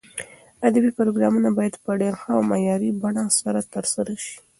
ادبي پروګرامونه باید په ډېر ښه او معیاري بڼه سره ترسره شي.